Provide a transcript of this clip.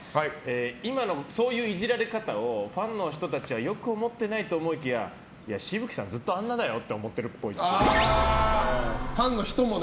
今のそういうイジられ方をファンの人たちはよく思ってないと思いきや紫吹さんずっとあんなだよってファンの人もね。